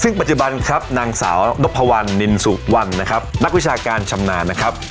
ซึ่งปัจจุบันครับนางสาวนพวัลนินสุวรรณนะครับนักวิชาการชำนาญนะครับ